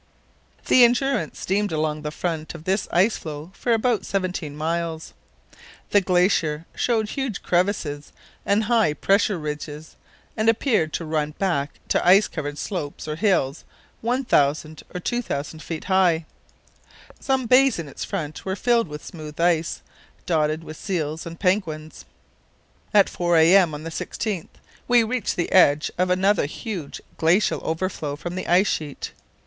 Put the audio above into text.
The Endurance steamed along the front of this ice flow for about seventeen miles. The glacier showed huge crevasses and high pressure ridges, and appeared to run back to ice covered slopes or hills 1000 or 2000 ft. high. Some bays in its front were filled with smooth ice, dotted with seals and penguins. At 4 a.m. on the 16th we reached the edge of another huge glacial overflow from the ice sheet.